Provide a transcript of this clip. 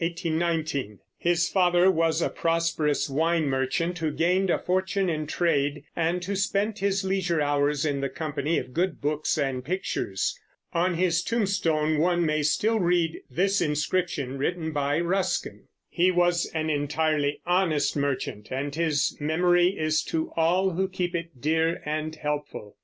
His father was a prosperous wine merchant who gained a fortune in trade, and who spent his leisure hours in the company of good books and pictures. On his tombstone one may still read this inscription written by Ruskin: "He was an entirely honest merchant and his memory is to all who keep it dear and helpful.